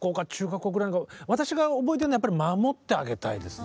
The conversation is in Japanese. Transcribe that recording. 私が覚えてるのはやっぱり「守ってあげたい」ですね。